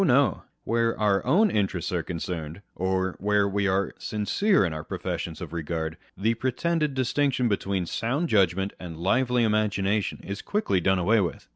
no ; where our own interests are concerned, or where we are sincere in our professions of regard, the pretended distinction between sound judgment and lively imagination is quickly done away with.